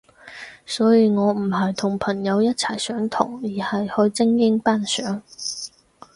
所以我唔係同朋友一齊上堂，而係去精英班上